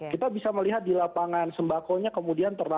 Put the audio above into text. kita bisa melihat di lapangan sembakonya kemudian ternak